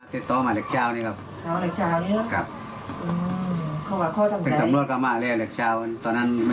ติดต่อมันเรียกใจวันครับ